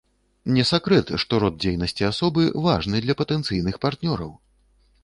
Не сакрэт, што род дзейнасці асобы важны для патэнцыйных партнёраў.